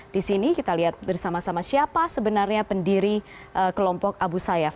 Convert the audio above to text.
di sini kita lihat bersama sama siapa sebenarnya pendiri kelompok abu sayyaf